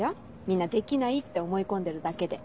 みんな「できない」って思い込んでるだけで。